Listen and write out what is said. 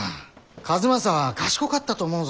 数正は賢かったと思うぞ。